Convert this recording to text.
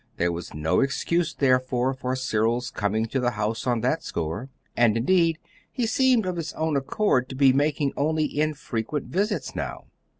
There was no excuse, therefore, for Cyril's coming to the house on that score; and, indeed, he seemed of his own accord to be making only infrequent visits now.